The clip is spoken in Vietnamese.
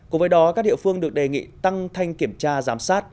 cùng với đó các địa phương được đề nghị tăng thanh kiểm tra giám sát